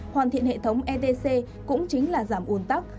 hoàn thiện hệ thống etc cũng chính là giảm un tắc